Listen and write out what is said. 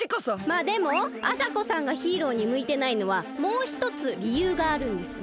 まあでもあさこさんがヒーローにむいてないのはもうひとつりゆうがあるんです。